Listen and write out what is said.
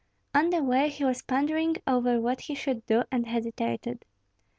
On the way he was pondering over what he should do, and hesitated.